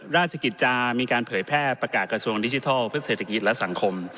ราชกิจจามีการเผยแพร่ประกาศกระทรวงดิจิทัลเพื่อเศรษฐกิจและสังคม